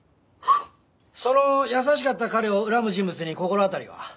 その優しかった彼を恨む人物に心当たりは？